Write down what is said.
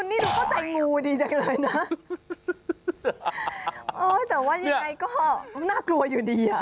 นี่ดูเข้าใจงูดีจังเลยนะโอ้ยแต่ว่ายังไงก็น่ากลัวอยู่ดีอ่ะ